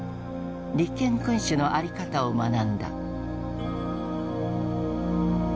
立憲君主のあり方を学んだ。